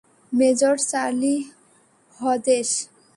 Major Charlie Hodges.